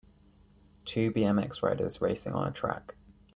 Two bmx riders racing on a track